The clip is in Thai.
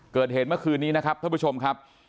เกิดเหตุเมื่อคืนนี้นะครับท่านผู้ชมครับ